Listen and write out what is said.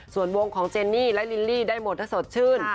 ส่วนวงของเจนนี่และลิลลี่ได้หมดถ้าสดชื่น